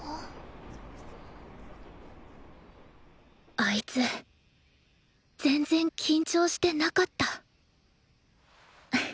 あいつ全然緊張してなかった